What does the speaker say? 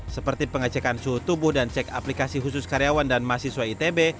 seperti pengecekan suhu tubuh dan cek aplikasi khusus karyawan dan mahasiswa itb